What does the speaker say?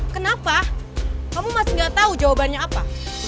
kenapa kamu masih nggak tahu jawabannya apa